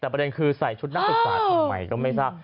แต่ประเด็นคือใส่ชุดนักศึกษาทำไมก็ไม่ทราบ